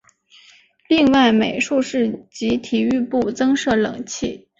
另外美术室及体育部增设冷气。